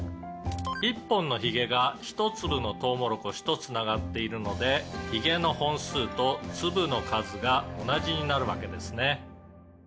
「１本のヒゲが１粒のとうもろこしと繋がっているのでヒゲの本数と粒の数が同じになるわけですね」